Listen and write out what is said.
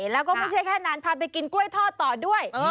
แล้วก็ไม่ใช่แค่นั้นพาไปกินกล้วยทอดต่อด้วย